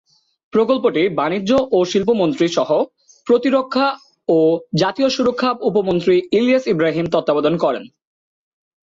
প্রকল্পটি বাণিজ্য ও শিল্পমন্ত্রী-সহ-প্রতিরক্ষা ও জাতীয় সুরক্ষা উপমন্ত্রী ইলিয়াস ইব্রাহিম তত্ত্বাবধান করেন।